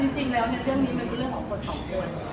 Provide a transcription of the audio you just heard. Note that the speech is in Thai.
จริงแล้วเรื่องนี้มันเป็นเรื่องของคนสองคน